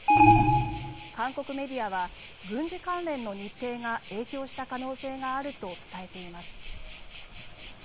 韓国メディアは軍事関連の日程が影響した可能性があると伝えています。